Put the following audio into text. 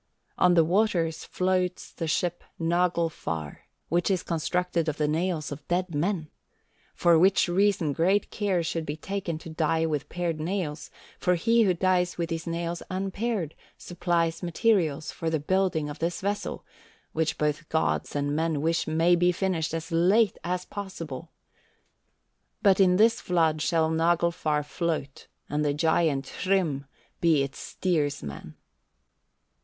On the waters floats the ship Naglfar, which is constructed of the nails of dead men. For which reason great care should be taken to die with pared nails, for he who dies with his nails unpared, supplies materials for the building of this vessel, which both gods and men wish may be finished as late as possible. But in this flood shall Naglfar float, and the giant Hrym be its steersman.